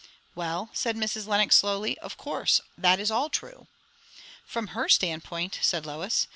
'" "Well," said Mrs. Lenox slowly, "of course that is all true." "From her standpoint," said Lois.